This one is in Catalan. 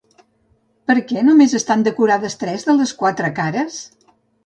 Per què només estan decorades tres de les quatre cares?